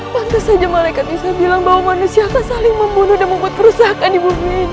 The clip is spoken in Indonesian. pasti saja malaikat bisa bilang bahwa manusia akan saling membunuh dan membuat kerusakan di bumi ini